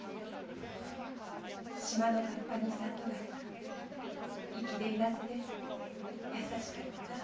縞の合羽に三度笠粋でいなせで優しかった。